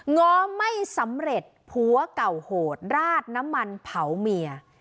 ง้อไม่สำเร็จผัวเก่าโหดราดน้ำมันเผาเมีย